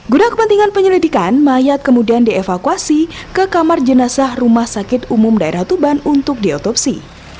guna kepentingan penyelidikan mayat kemudian dievakuasi ke kamar jenazah rumah sakit umum daerah tuban untuk diotopsi